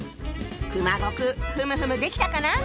熊悟空ふむふむできたかな？